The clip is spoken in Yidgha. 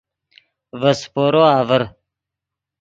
ڤے سیپورو آڤر